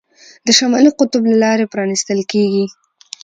د شمالي قطب لارې پرانیستل کیږي.